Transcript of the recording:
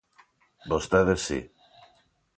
Vostedes si.